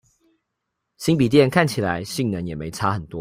新筆電看起來性能也沒差很多